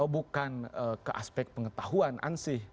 bukan ke aspek pengetahuan ansih